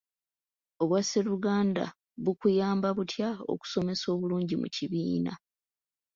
Obwasseruganda bukuyamba butya okusomesa obulungi mu kibiina ?